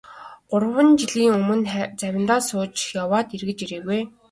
Гурван жилийн өмнө завиндаа сууж яваад эргэж ирээгүй.